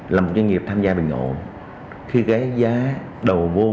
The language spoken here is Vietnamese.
là một doanh nghiệp tham gia bình ổn